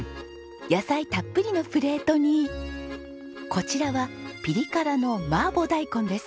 野菜たっぷりのプレートにこちらはピリ辛の麻婆大根です。